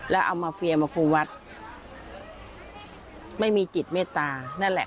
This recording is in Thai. แล้วเอามาเฟียมาครูวัดไม่มีจิตเมตตานั่นแหละ